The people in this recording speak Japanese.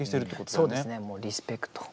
そうですねもうリスペクト。